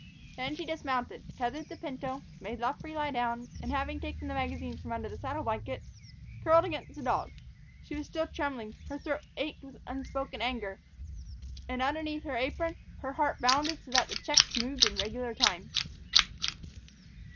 Then she dismounted, tethered the pinto, made Luffree lie down, and, having taken the magazine from under the saddle blankets, cuddled against the dog. She was still trembling, her throat ached with unspoken anger, and, underneath her apron, her heart bounded so that the checks moved in regular time.